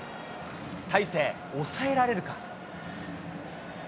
大勢、抑えられるか？